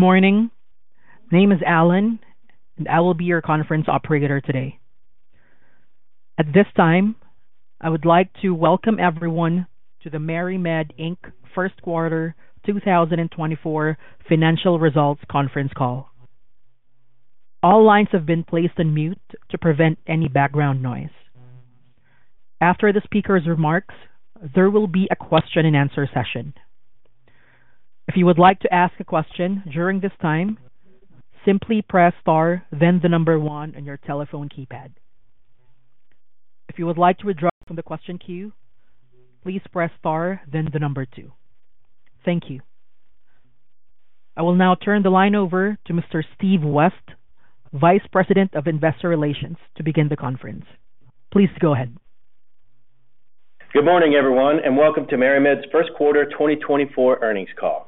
Good morning. My name is Allen, and I will be your conference operator today. At this time, I would like to welcome everyone to the MariMed Inc 1st Quarter 2024 Financial Results Conference Call. All lines have been placed on mute to prevent any background noise. After the speaker's remarks, there will be a question-and-answer session. If you would like to ask a question during this time, simply press * then the number one on your telephone keypad. If you would like to withdraw from the question queue, please press * then the number two. Thank you. I will now turn the line over to Mr. Steve West, Vice President of Investor Relations, to begin the conference. Please go ahead. Good morning, everyone, and welcome to MariMed's First Quarter 2024 Earnings Call.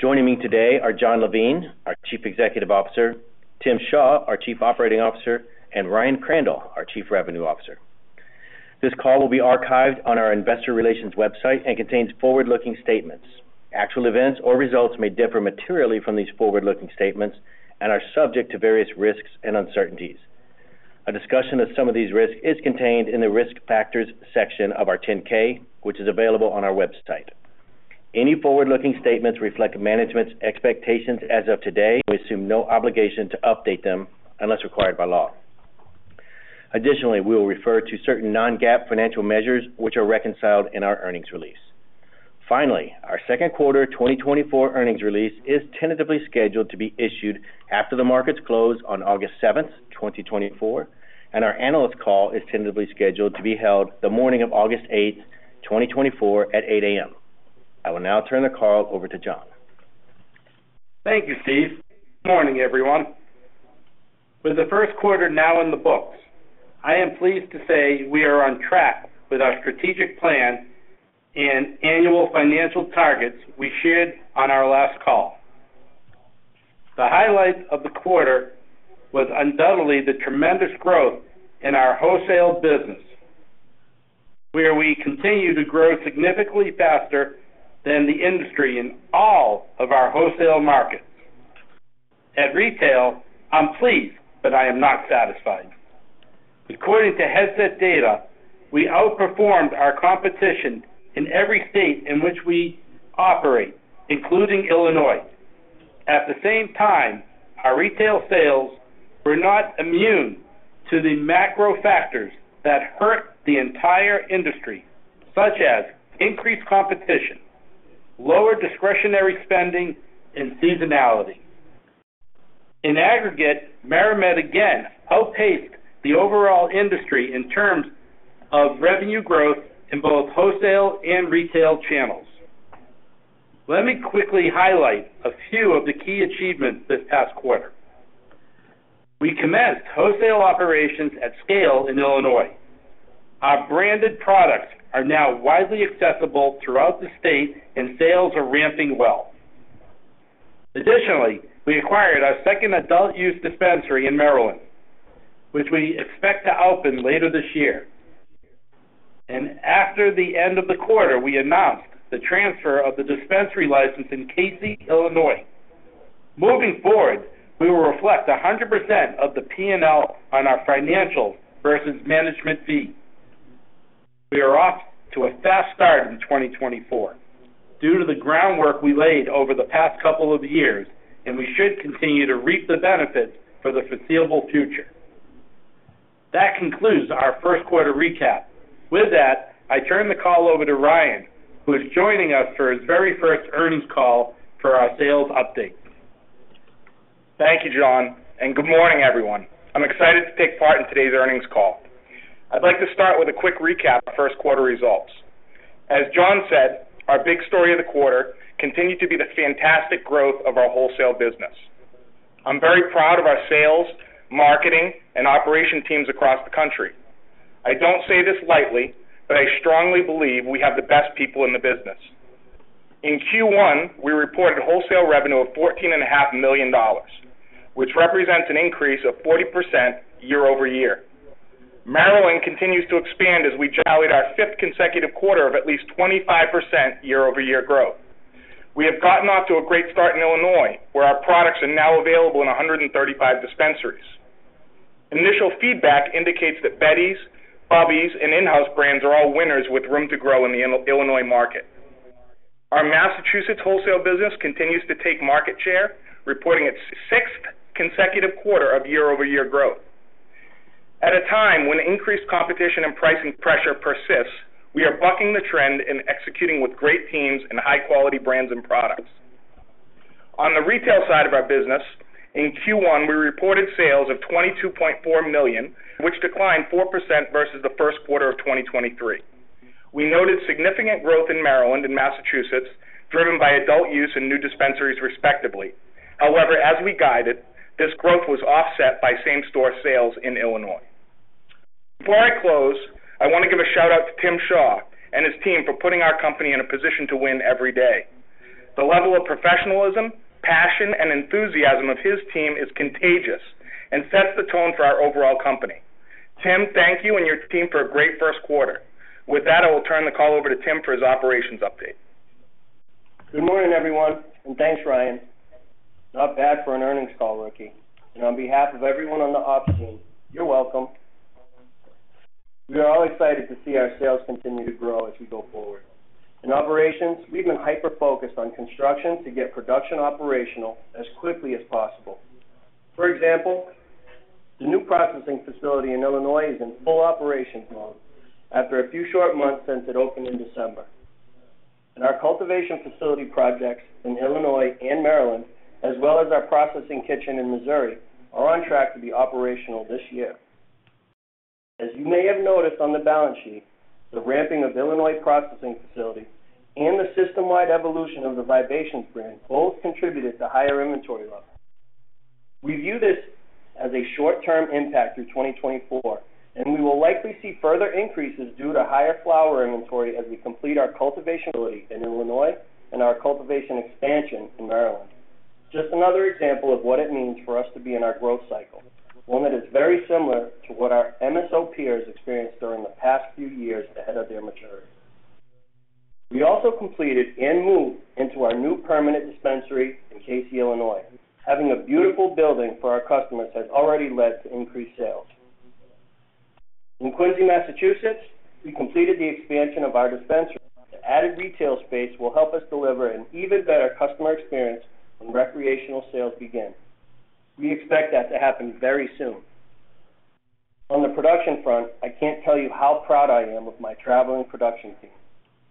Joining me today are Jon Levine, our Chief Executive Officer; Tim Shaw, our Chief Operating Officer; and Ryan Crandall, our Chief Revenue Officer. This call will be archived on our Investor Relations website and contains forward-looking statements. Actual events or results may differ materially from these forward-looking statements and are subject to various risks and uncertainties. A discussion of some of these risks is contained in the Risk Factors section of our 10-K, which is available on our website. Any forward-looking statements reflect management's expectations as of today, and we assume no obligation to update them unless required by law. Additionally, we will refer to certain non-GAAP financial measures which are reconciled in our earnings release. Finally, our second quarter 2024 earnings release is tentatively scheduled to be issued after the markets close on August 7, 2024, and our analyst call is tentatively scheduled to be held the morning of August 8, 2024, at 8:00 A.M. I will now turn the call over to Jon. Thank you, Steve. Good morning, everyone. With the first quarter now in the books, I am pleased to say we are on track with our strategic plan and annual financial targets we shared on our last call. The highlight of the quarter was undoubtedly the tremendous growth in our wholesale business, where we continue to grow significantly faster than the industry in all of our wholesale markets. At retail, I'm pleased, but I am not satisfied. According to Headset data, we outperformed our competition in every state in which we operate, including Illinois. At the same time, our retail sales were not immune to the macro factors that hurt the entire industry, such as increased competition, lower discretionary spending, and seasonality. In aggregate, MariMed again outpaced the overall industry in terms of revenue growth in both wholesale and retail channels. Let me quickly highlight a few of the key achievements this past quarter. We commenced wholesale operations at scale in Illinois. Our branded products are now widely accessible throughout the state, and sales are ramping well. Additionally, we acquired our second adult-use dispensary in Maryland, which we expect to open later this year. After the end of the quarter, we announced the transfer of the dispensary license in Casey, Illinois. Moving forward, we will reflect 100% of the P&L on our financials versus management fee. We are off to a fast start in 2024 due to the groundwork we laid over the past couple of years, and we should continue to reap the benefits for the foreseeable future. That concludes our first quarter recap. With that, I turn the call over to Ryan, who is joining us for his very first earnings call for our sales update. Thank you, Jon, and good morning, everyone. I'm excited to take part in today's earnings call. I'd like to start with a quick recap of first quarter results. As Jon said, our big story of the quarter continued to be the fantastic growth of our wholesale business. I'm very proud of our sales, marketing, and operations teams across the country. I don't say this lightly, but I strongly believe we have the best people in the business. In Q1, we reported wholesale revenue of $14.5 million, which represents an increase of 40% year-over-year. Maryland continues to expand as we tallied our fifth consecutive quarter of at least 25% year-over-year growth. We have gotten off to a great start in Illinois, where our products are now available in 135 dispensaries. Initial feedback indicates that Betty's, Bubby's, and InHouse brands are all winners with room to grow in the Illinois market. Our Massachusetts wholesale business continues to take market share, reporting its sixth consecutive quarter of year-over-year growth. At a time when increased competition and pricing pressure persist, we are bucking the trend and executing with great teams and high-quality brands and products. On the retail side of our business, in Q1, we reported sales of $22.4 million, which declined 4% versus the first quarter of 2023. We noted significant growth in Maryland and Massachusetts, driven by adult use and new dispensaries, respectively. However, as we guided, this growth was offset by same-store sales in Illinois. Before I close, I want to give a shout-out to Tim Shaw and his team for putting our company in a position to win every day. The level of professionalism, passion, and enthusiasm of his team is contagious and sets the tone for our overall company. Tim, thank you and your team for a great first quarter. With that, I will turn the call over to Tim for his operations update. Good morning, everyone, and thanks, Ryan. Not bad for an earnings call, Rookie. And on behalf of everyone on the ops team, you're welcome. We are all excited to see our sales continue to grow as we go forward. In operations, we've been hyper-focused on construction to get production operational as quickly as possible. For example, the new processing facility in Illinois is in full operations mode after a few short months since it opened in December. And our cultivation facility projects in Illinois and Maryland, as well as our processing kitchen in Missouri, are on track to be operational this year. As you may have noticed on the balance sheet, the ramping of Illinois processing facility and the system-wide evolution of the Vibations brand both contributed to higher inventory levels. We view this as a short-term impact through 2024, and we will likely see further increases due to higher flower inventory as we complete our cultivation facility in Illinois and our cultivation expansion in Maryland. Just another example of what it means for us to be in our growth cycle, one that is very similar to what our MSO peers experienced during the past few years ahead of their maturity. We also completed and moved into our new permanent dispensary in Casey, Illinois. Having a beautiful building for our customers has already led to increased sales. In Quincy, Massachusetts, we completed the expansion of our dispensary. The added retail space will help us deliver an even better customer experience when recreational sales begin. We expect that to happen very soon. On the production front, I can't tell you how proud I am of my traveling production team,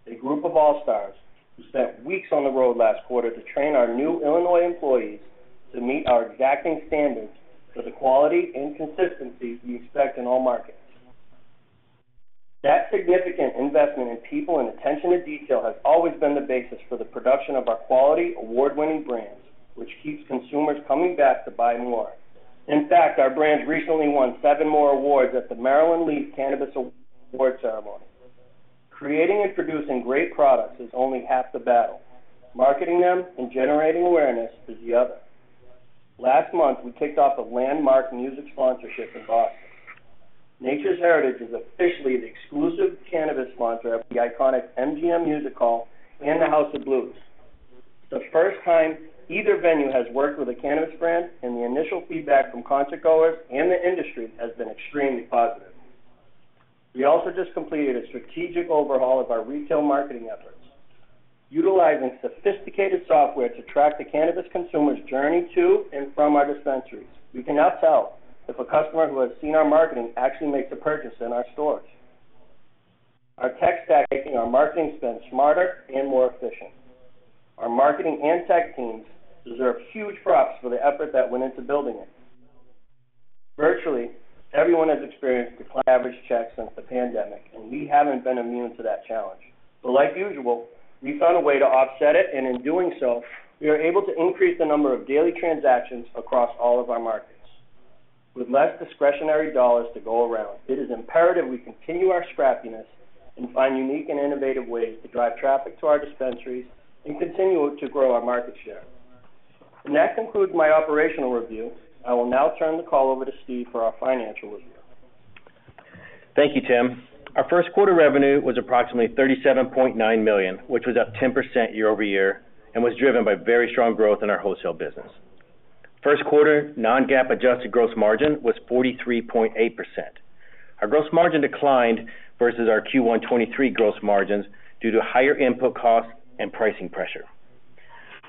a group of all-stars who spent weeks on the road last quarter to train our new Illinois employees to meet our exacting standards for the quality and consistency we expect in all markets. That significant investment in people and attention to detail has always been the basis for the production of our quality, award-winning brands, which keeps consumers coming back to buy more. In fact, our brands recently won seven more awards at the Maryland Leaf Cannabis Awards ceremony. Creating and producing great products is only half the battle. Marketing them and generating awareness is the other. Last month, we kicked off a landmark music sponsorship in Boston. Nature's Heritage is officially the exclusive Cannabis sponsor of the iconic MGM Music Hall and the House of Blues. It's the first time either venue has worked with a brand, and the initial feedback from concertgoers and the industry has been extremely positive. We also just completed a strategic overhaul of our retail marketing efforts, utilizing sophisticated software to track the Cannabis consumer's journey to and from our dispensaries. We can now tell if a customer who has seen our marketing actually makes a purchase in our stores. Our tech stack is making our marketing spend smarter and more efficient. Our marketing and tech teams deserve huge props for the effort that went into building it. Virtually, everyone has experienced declined average checks since the pandemic, and we haven't been immune to that challenge. But like usual, we found a way to offset it, and in doing so, we are able to increase the number of daily transactions across all of our markets. With less discretionary dollars to go around, it is imperative we continue our scrappiness and find unique and innovative ways to drive traffic to our dispensaries and continue to grow our market share. That concludes my operational review. I will now turn the call over to Steve for our financial review. Thank you, Tim. Our first quarter revenue was approximately $37.9 million, which was up 10% year-over-year and was driven by very strong growth in our wholesale business. First quarter Non-GAAP adjusted gross margin was 43.8%. Our gross margin declined versus our Q1 2023 gross margins due to higher input costs and pricing pressure.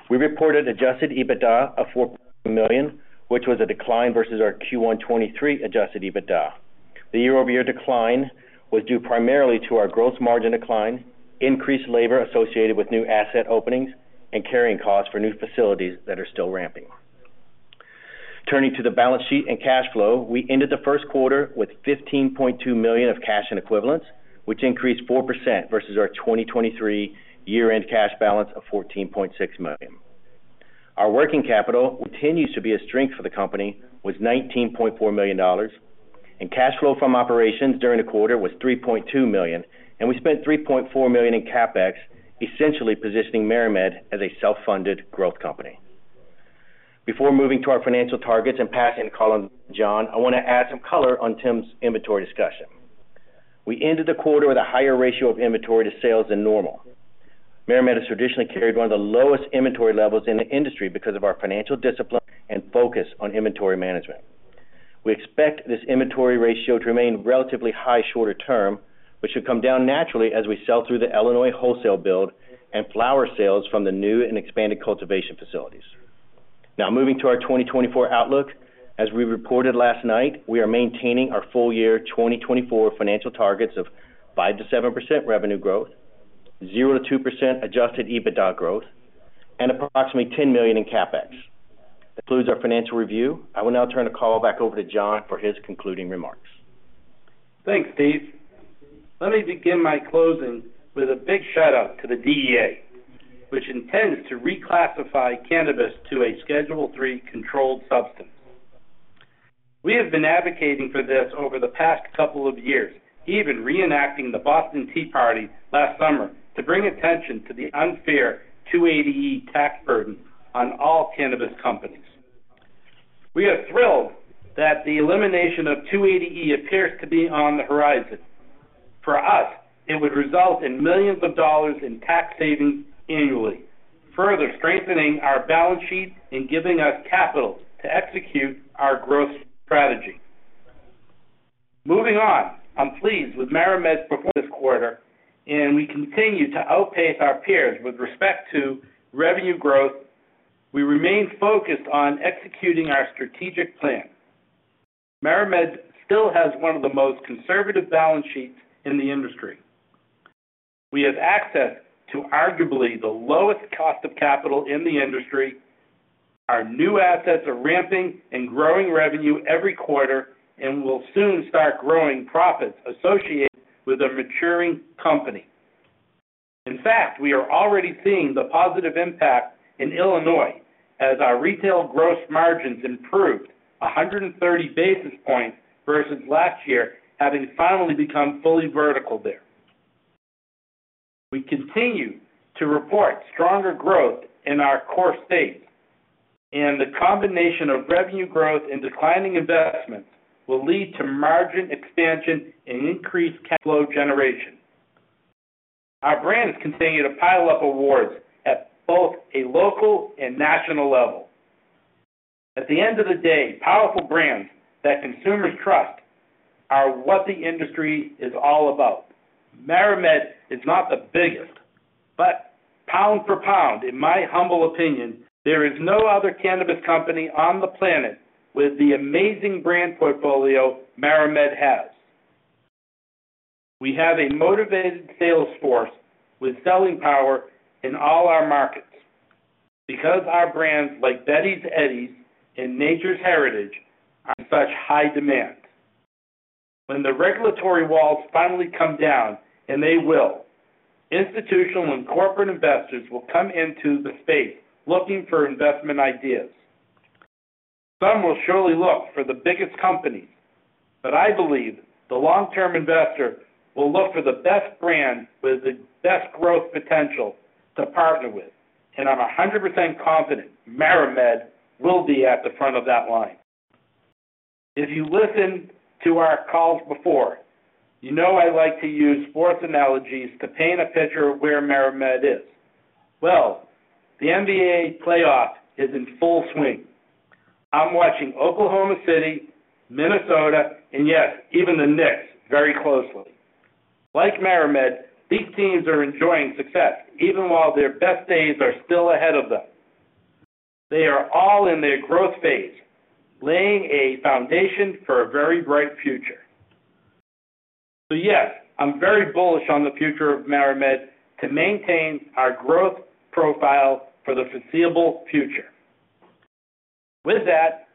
We reported Adjusted EBITDA of $4.9 million, which was a decline versus our Q1 2023 Adjusted EBITDA. The year-over-year decline was due primarily to our gross margin decline, increased labor associated with new asset openings, and carrying costs for new facilities that are still ramping. Turning to the balance sheet and cash flow, we ended the first quarter with $15.2 million of cash and equivalents, which increased 4% versus our 2023 year-end cash balance of $14.6 million. Our working capital, which continues to be a strength for the company, was $19.4 million. Cash flow from operations during the quarter was $3.2 million, and we spent $3.4 million in CapEx, essentially positioning MariMed as a self-funded growth company. Before moving to our financial targets and passing the call on to Jon, I want to add some color on Tim's inventory discussion. We ended the quarter with a higher ratio of inventory to sales than normal. MariMed has traditionally carried one of the lowest inventory levels in the industry because of our financial discipline and focus on inventory management. We expect this inventory ratio to remain relatively high shorter term, which should come down naturally as we sell through the Illinois wholesale build and flower sales from the new and expanded cultivation facilities. Now, moving to our 2024 outlook, as we reported last night, we are maintaining our full-year 2024 financial targets of 5%-7% revenue growth, 0%-2% adjusted EBITDA growth, and approximately $10 million in CapEx. That concludes our financial review. I will now turn the call back over to Jon for his concluding remarks. Thanks, Steve. Let me begin my closing with a big shout-out to the DEA, which intends to reclassify Cannabis to a Schedule III controlled substance. We have been advocating for this over the past couple of years, even reenacting the Boston Tea Party last summer to bring attention to the unfair 280E tax burden on all Cannabis companies. We are thrilled that the elimination of 280E appears to be on the horizon. For us, it would result in millions dollar in tax savings annually, further strengthening our balance sheet and giving us capital to execute our growth strategy. Moving on, I'm pleased with MariMed's performance this quarter, and we continue to outpace our peers with respect to revenue growth. We remain focused on executing our strategic plan. MariMed still has one of the most conservative balance sheets in the industry. We have access to arguably the lowest cost of capital in the industry. Our new assets are ramping and growing revenue every quarter and will soon start growing profits associated with a maturing company. In fact, we are already seeing the positive impact in Illinois as our retail gross margins improved 130 basis points versus last year, having finally become fully vertical there. We continue to report stronger growth in our core states, and the combination of revenue growth and declining investments will lead to margin expansion and increased cash flow generation. Our brands continue to pile up awards at both a local and national level. At the end of the day, powerful brands that consumers trust are what the industry is all about. MariMed is not the biggest, but pound for pound, in my humble opinion, there is no other Cannabis company on the planet with the amazing brand portfolio MariMed has. We have a motivated sales force with selling power in all our markets because our brands, like Betty's Eddies and Nature's Heritage, are in such high demand. When the regulatory walls finally come down, and they will, institutional and corporate investors will come into the space looking for investment ideas. Some will surely look for the biggest companies, but I believe the long-term investor will look for the best brand with the best growth potential to partner with. I'm 100% confident MariMed will be at the front of that line. If you listened to our calls before, you know I like to use sports analogies to paint a picture of where MariMed is. Well, the NBA playoff is in full swing. I'm watching Oklahoma City, Minnesota, and yes, even the Knicks very closely. Like MariMed, these teams are enjoying success even while their best days are still ahead of them. They are all in their growth phase, laying a foundation for a very bright future. So yes, I'm very bullish on the future of MariMed to maintain our growth profile for the foreseeable future. With that,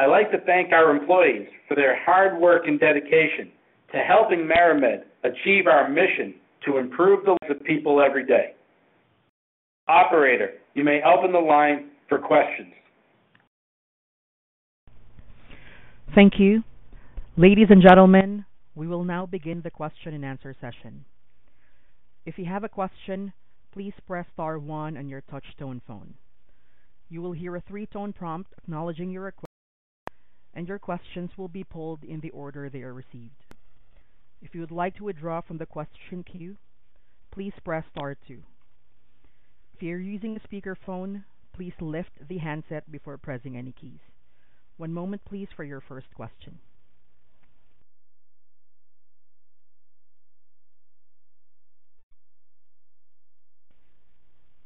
I'd like to thank our employees for their hard work and dedication to helping MariMed achieve our mission to improve the lives of people every day. Operator, you may open the line for questions. Thank you. Ladies and gentlemen, we will now begin the question-and-answer session. If you have a question, please press star one on your touch-tone phone. You will hear a three-tone prompt acknowledging your request, and your questions will be pulled in the order they are received. If you would like to withdraw from the question queue, please press star two. If you're using a speakerphone, please lift the handset before pressing any keys. One moment, please, for your first question.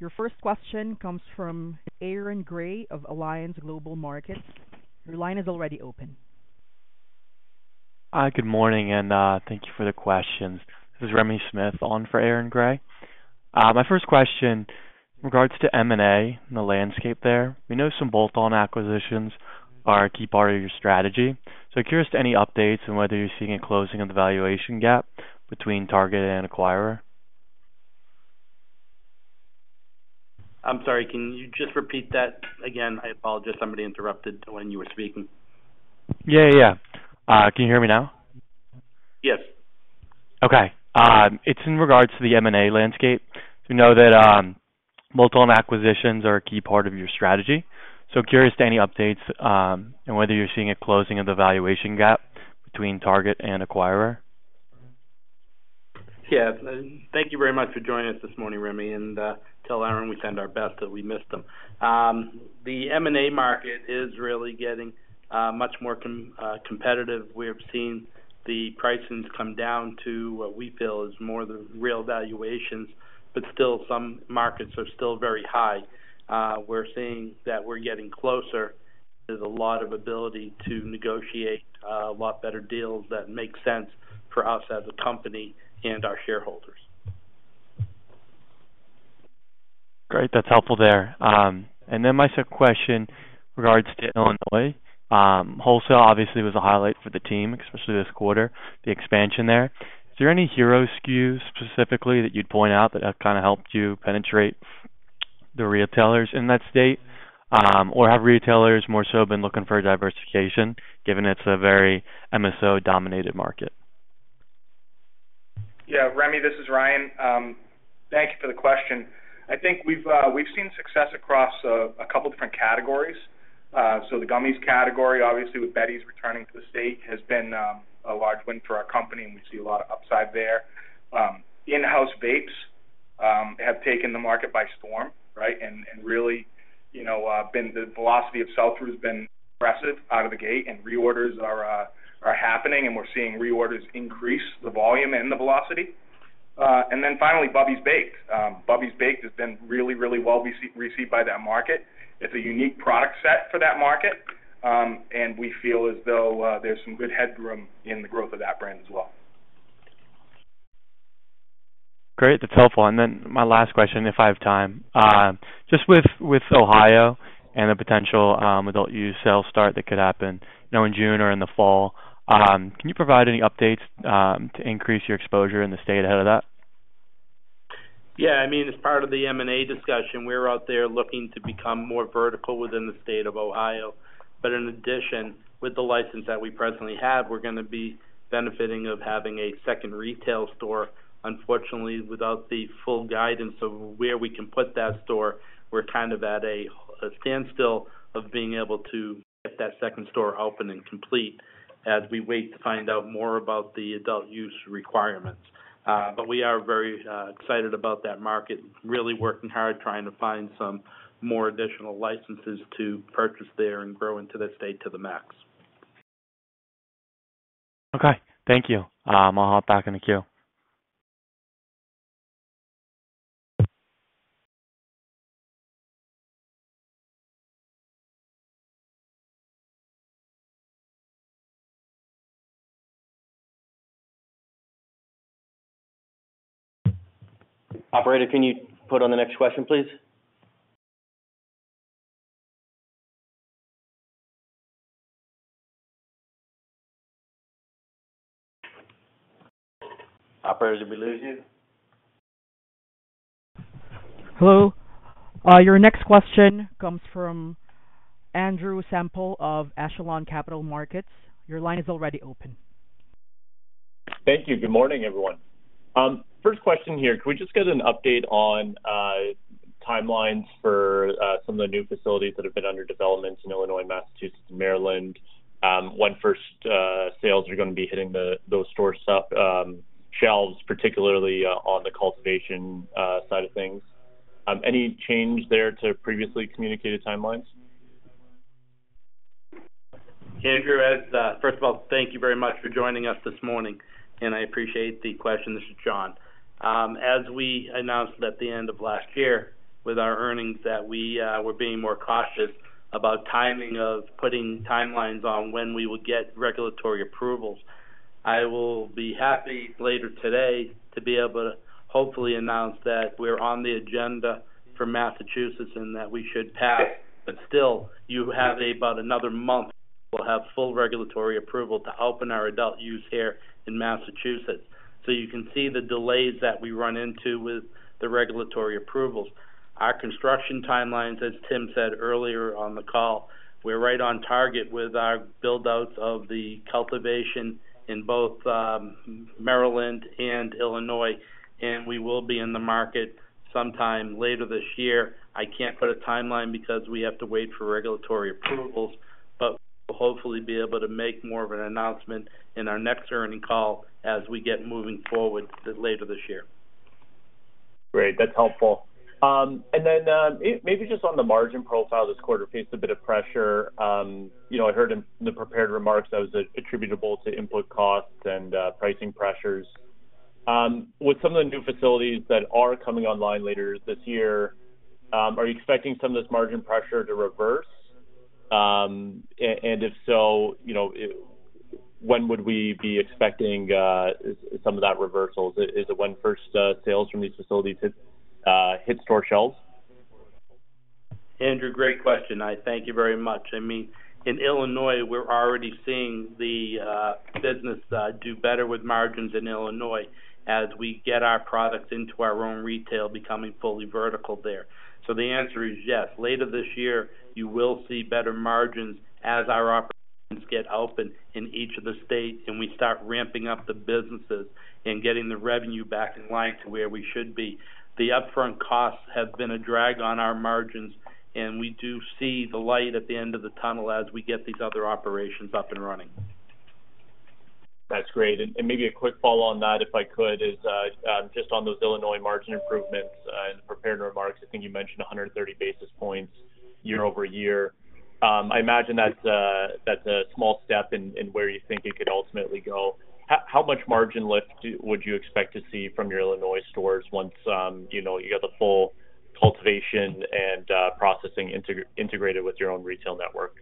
Your first question comes from Aaron Grey of Alliance Global Partners. Your line is already open. Good morning, and thank you for the questions. This is Remy Smith on for Aaron Grey. My first question, in regards to M&A and the landscape there, we know some bolt-on acquisitions are a key part of your strategy. So I'm curious to any updates on whether you're seeing a closing of the valuation gap between Target and Acquirer? I'm sorry. Can you just repeat that again? I apologize. Somebody interrupted when you were speaking. Yeah, yeah, yeah. Can you hear me now? Yes. Okay. It's in regards to the M&A landscape. We know that bolt-on acquisitions are a key part of your strategy. So I'm curious to any updates on whether you're seeing a closing of the valuation gap between Target and Acquirer. Yeah. Thank you very much for joining us this morning, Remy. Tell Aaron we send our best, that we missed him. The M&A market is really getting much more competitive. We've seen the pricings come down to what we feel is more the real valuations, but still, some markets are still very high. We're seeing that we're getting closer. There's a lot of ability to negotiate a lot better deals that make sense for us as a company and our shareholders. Great. That's helpful there. And then my second question, in regards to Illinois, wholesale obviously was a highlight for the team, especially this quarter, the expansion there. Is there any hero SKUs specifically that you'd point out that have kind of helped you penetrate the retailers in that state, or have retailers more so been looking for diversification, given it's a very MSO-dominated market? Yeah. Remy, this is Ryan. Thank you for the question. I think we've seen success across a couple of different categories. So the gummies category, obviously, with Betty's returning to the state, has been a large win for our company, and we see a lot of upside there. InHouse vapes have taken the market by storm, right, and really been the velocity of sell-through has been impressive out of the gate, and reorders are happening, and we're seeing reorders increase the volume and the velocity. And then finally, Bubby's Baked. Bubby's Baked has been really, really well received by that market. It's a unique product set for that market, and we feel as though there's some good headroom in the growth of that brand as well. Great. That's helpful. Then my last question, if I have time, just with Ohio and the potential adult-use sales start that could happen in June or in the fall, can you provide any updates to increase your exposure in the state ahead of that? Yeah. I mean, as part of the M&A discussion, we're out there looking to become more vertical within the state of Ohio. But in addition, with the license that we presently have, we're going to be benefiting of having a second retail store. Unfortunately, without the full guidance of where we can put that store, we're kind of at a standstill of being able to get that second store open and complete as we wait to find out more about the adult-use requirements. But we are very excited about that market, really working hard, trying to find some more additional licenses to purchase there and grow into that state to the max. Okay. Thank you. I'll hop back in the queue. Operator, can you put on the next question, please? Operator, did we lose you? Hello. Your next question comes from Andrew Sample of Echelon Capital Markets. Your line is already open. Thank you. Good morning, everyone. First question here, could we just get an update on timelines for some of the new facilities that have been under development in Illinois, Massachusetts, and Maryland, when first sales are going to be hitting those shelves, particularly on the cultivation side of things? Any change there to previously communicated timelines? Andrew, first of all, thank you very much for joining us this morning, and I appreciate the question. This is Jon. As we announced at the end of last year with our earnings that we were being more cautious about timing of putting timelines on when we would get regulatory approvals, I will be happy later today to be able to hopefully announce that we're on the agenda for Massachusetts and that we should pass. But still, you have about another month. We'll have full regulatory approval to open our adult-use here in Massachusetts. So you can see the delays that we run into with the regulatory approvals. Our construction timelines, as Tim said earlier on the call, we're right on target with our build-outs of the cultivation in both Maryland and Illinois, and we will be in the market sometime later this year. I can't put a timeline because we have to wait for regulatory approvals, but we'll hopefully be able to make more of an announcement in our next earnings call as we get moving forward later this year. Great. That's helpful. And then maybe just on the margin profile, this quarter faced a bit of pressure. I heard in the prepared remarks that was attributable to input costs and pricing pressures. With some of the new facilities that are coming online later this year, are you expecting some of this margin pressure to reverse? And if so, when would we be expecting some of that reversal? Is it when first sales from these facilities hit store shelves? Andrew, great question. Thank you very much. I mean, in Illinois, we're already seeing the business do better with margins in Illinois as we get our products into our own retail, becoming fully vertical there. So the answer is yes. Later this year, you will see better margins as our operations get open in each of the states, and we start ramping up the businesses and getting the revenue back in line to where we should be. The upfront costs have been a drag on our margins, and we do see the light at the end of the tunnel as we get these other operations up and running. That's great. And maybe a quick follow-on on that, if I could, is just on those Illinois margin improvements in the prepared remarks. I think you mentioned 130 basis points year-over-year. I imagine that's a small step in where you think it could ultimately go. How much margin lift would you expect to see from your Illinois stores once you got the full cultivation and processing integrated with your own retail network?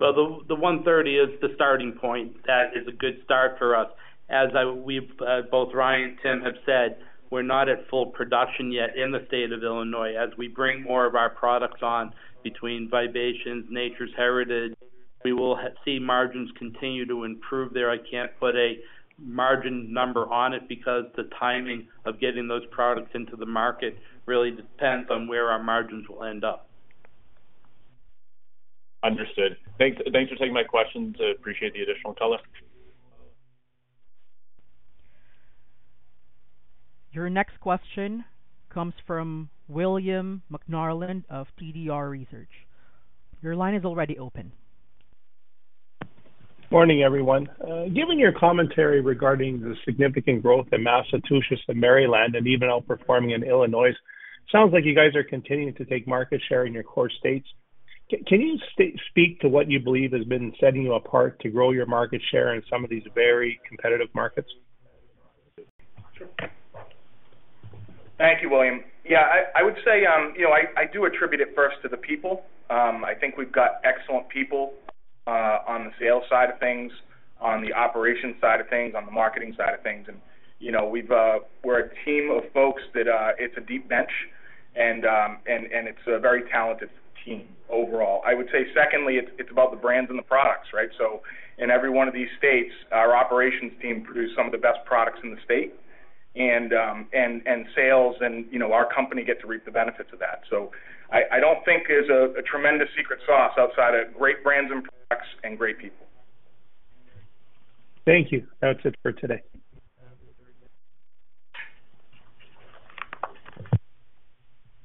Well, the 130 is the starting point. That is a good start for us. As both Ryan and Tim have said, we're not at full production yet in the state of Illinois. As we bring more of our products on between Vibations, Nature's Heritage, we will see margins continue to improve there. I can't put a margin number on it because the timing of getting those products into the market really depends on where our margins will end up. Understood. Thanks for taking my questions. I appreciate the additional color. Your next question comes from William McNarland of TDR Research. Your line is already open. Morning, everyone. Given your commentary regarding the significant growth in Massachusetts and Maryland and even outperforming in Illinois, it sounds like you guys are continuing to take market share in your core states. Can you speak to what you believe has been setting you apart to grow your market share in some of these very competitive markets? Thank you, William. Yeah, I would say I do attribute it first to the people. I think we've got excellent people on the sales side of things, on the operations side of things, on the marketing side of things. And we're a team of folks that it's a deep bench, and it's a very talented team overall. I would say, secondly, it's about the brands and the products, right? So in every one of these states, our operations team produce some of the best products in the state, and sales and our company get to reap the benefits of that. So I don't think there's a tremendous secret sauce outside of great brands and products and great people. Thank you. That's it for today.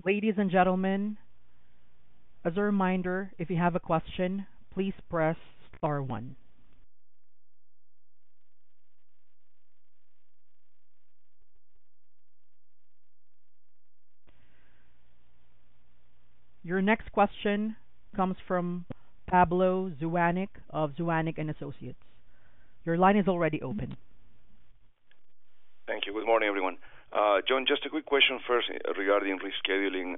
Ladies and gentlemen, as a reminder, if you have a question, please press star one. Your next question comes from Pablo Zuanic of Zuanic & Associates. Your line is already open. Thank you. Good morning, everyone. Jon, just a quick question first regarding rescheduling.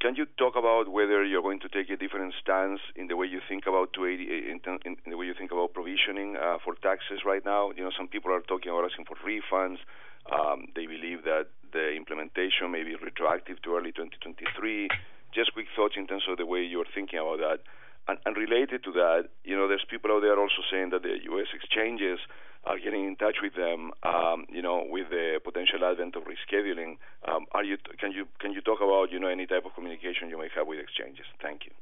Can you talk about whether you're going to take a different stance in the way you think about 280E in the way you think about provisioning for taxes right now? Some people are talking about asking for refunds. They believe that the implementation may be retroactive to early 2023. Just quick thoughts in terms of the way you're thinking about that. And related to that, there's people out there also saying that the U.S. exchanges are getting in touch with them with the potential advent of rescheduling. Can you talk about any type of communication you may have with exchanges? Thank you.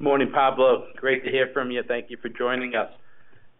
Morning, Pablo. Great to hear from you. Thank you for joining us.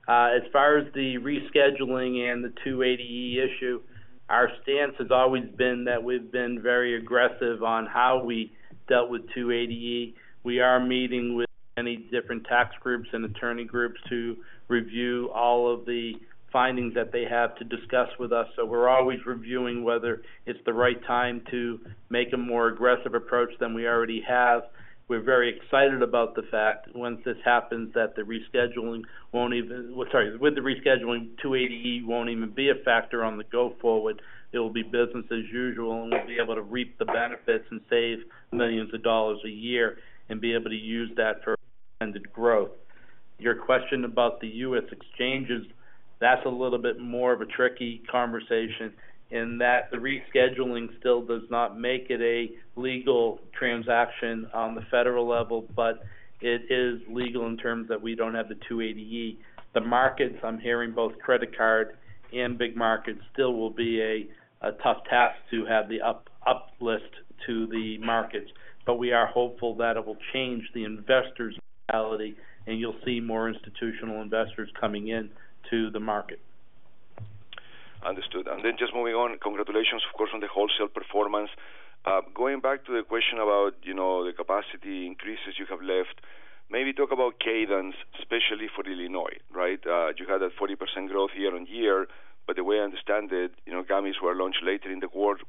As far as the rescheduling and the 280E issue, our stance has always been that we've been very aggressive on how we dealt with 280E. We are meeting with many different tax groups and attorney groups to review all of the findings that they have to discuss with us. So we're always reviewing whether it's the right time to make a more aggressive approach than we already have. We're very excited about the fact once this happens that the rescheduling won't even sorry, with the rescheduling, 280E won't even be a factor going forward. It'll be business as usual, and we'll be able to reap the benefits and save millions of dollars a year and be able to use that for expanded growth. Your question about the U.S. exchanges, that's a little bit more of a tricky conversation in that the rescheduling still does not make it a legal transaction on the federal level, but it is legal in terms that we don't have the 280E. The markets, I'm hearing both credit card and big markets still will be a tough task to have the uplift to the markets. But we are hopeful that it will change the investor's mentality, and you'll see more institutional investors coming in to the market. Understood. And then just moving on, congratulations, of course, on the wholesale performance. Going back to the question about the capacity increases you have left, maybe talk about cadence, especially for Illinois, right? You had that 40% growth year-over-year, but the way I understand it, gummies were launched later in the quarter.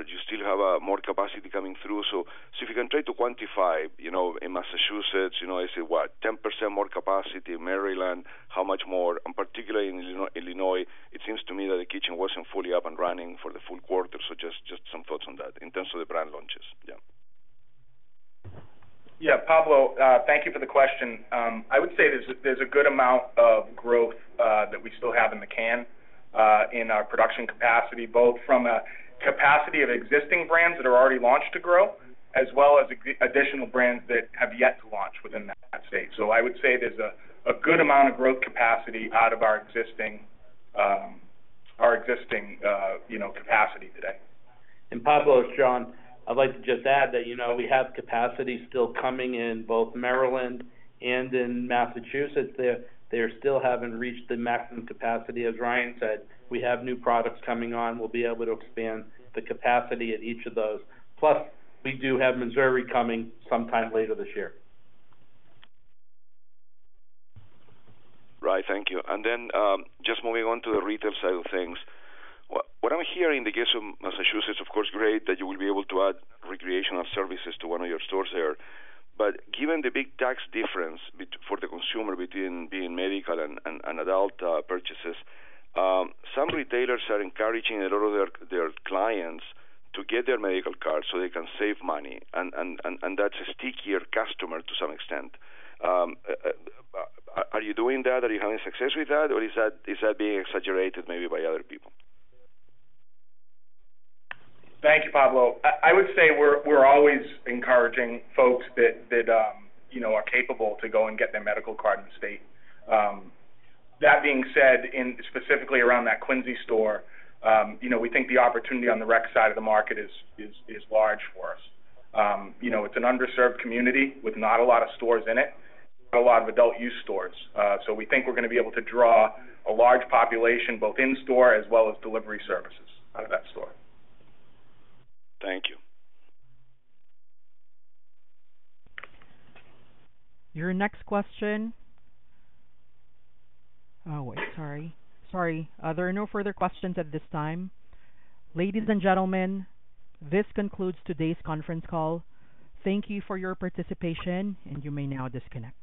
You still have more capacity coming through. So if you can try to quantify in Massachusetts, is it what, 10% more capacity in Maryland? How much more? And particularly in Illinois, it seems to me that the kitchen wasn't fully up and running for the full quarter. So just some thoughts on that in terms of the brand launches. Yeah. Yeah, Pablo, thank you for the question. I would say there's a good amount of growth that we still have in the can in our production capacity, both from a capacity of existing brands that are already launched to grow as well as additional brands that have yet to launch within that state. So I would say there's a good amount of growth capacity out of our existing capacity today. Pablo and Jon, I'd like to just add that we have capacity still coming in both Maryland and in Massachusetts. They still haven't reached the maximum capacity. As Ryan said, we have new products coming on. We'll be able to expand the capacity at each of those. Plus, we do have Missouri coming sometime later this year. Right. Thank you. And then just moving on to the retail side of things, what I'm hearing, in the case of Massachusetts, of course, great that you will be able to add recreational services to one of your stores there. But given the big tax difference for the consumer between being medical and adult purchases, some retailers are encouraging a lot of their clients to get their medical card so they can save money, and that's a stickier customer to some extent. Are you doing that? Are you having success with that, or is that being exaggerated maybe by other people? Thank you, Pablo. I would say we're always encouraging folks that are capable to go and get their medical card in the state. That being said, specifically around that Quincy store, we think the opportunity on the rec side of the market is large for us. It's an underserved community with not a lot of stores in it, not a lot of adult-use stores. So we think we're going to be able to draw a large population both in-store as well as delivery services out of that store. Thank you. Your next question. Oh, wait. Sorry. Sorry. There are no further questions at this time. Ladies and gentlemen, this concludes today's conference call. Thank you for your participation, and you may now disconnect.